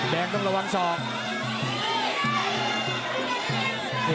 แบงต้องระวังสอบ